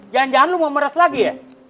jangan jangan lo mau meres lagi ya